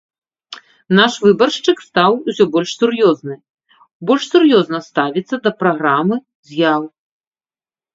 Наш выбаршчык стаў усё ж больш сур'ёзны, больш сур'ёзна ставіцца да праграмы, заяў.